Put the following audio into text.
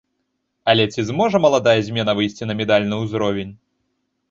Але ці зможа маладая змена выйсці на медальны ўзровень?